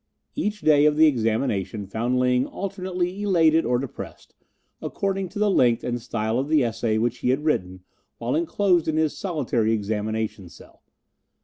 Each day of the examination found Ling alternately elated or depressed, according to the length and style of the essay which he had written while enclosed in his solitary examination cell.